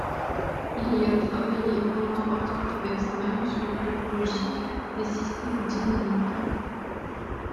Il y a travaillé entre autres avec Smale sur la topologie des systèmes dynamiques.